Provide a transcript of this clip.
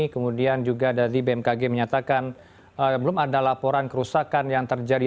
kemudian juga dari bmkg menyatakan belum ada laporan kerusakan yang terjadi